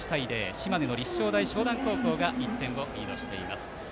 島根の立正大淞南高校が１点リードしています。